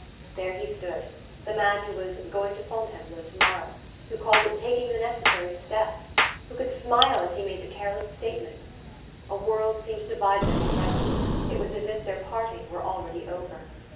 There he stood the man who was "going to Fontainebleau to morrow"; who called it "taking the necessary steps!" Who could smile as he made the careless statement! A world seemed to divide them already: it was as if their parting were already over.